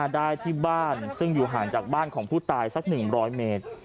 ได้ที่บ้านซึ่งอยู่ห่างจากบ้านของผู้ตายสัก๑๐๐เมตร